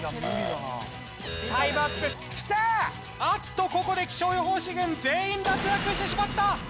あっとここで気象予報士軍全員脱落してしまった。